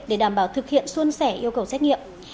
để đảm bảo thực hiện xuân sẻ yêu cầu xét nghiệm